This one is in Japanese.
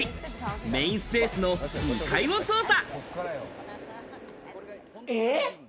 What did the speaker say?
メーンスペースの２階を捜査。